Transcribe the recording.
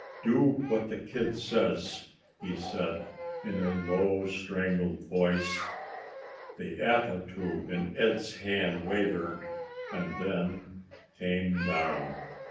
"Do what the kid says," he said in a low, strangled voice. The ato tube in Ed's hand wavered and then came down.